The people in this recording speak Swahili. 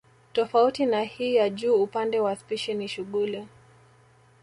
Tofauti na hii ya juu upande wa spishi ni shughuli